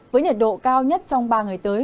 với nhiệt độ cao nhất trong ba ngày tới